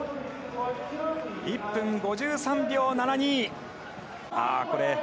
１分５３秒７２。